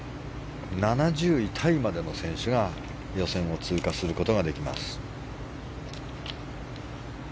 ７０位タイまでの選手が予選を通過することができます。